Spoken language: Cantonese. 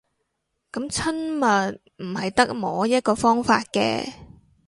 噉親密唔係得摸一個方法嘅